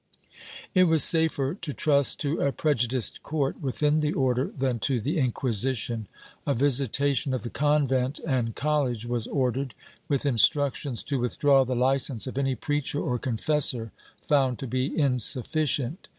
It was safer to trust to a prejudiced court within the Order than to the Inquisition. A visitation of the convent and col lege v^^as ordered, v/ith instructions to withdraw the licence of any preacher or confessor found to be insufficient.